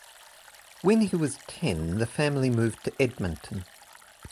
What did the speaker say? When he was ten, the family moved to Edmonton.